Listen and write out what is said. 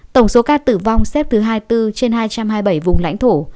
tổng số ca tử vong xếp thứ hai mươi bốn trên hai trăm hai mươi bảy vùng lãnh thổ